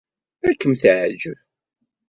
Ad kem-teɛjeb.